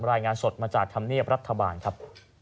รายงานสดมาจากธรรมเนียบรัฐบาลครับ